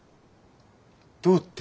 どうって？